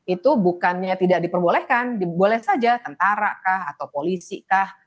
itu bukannya tidak diperbolehkan boleh saja tentara kah atau polisi kah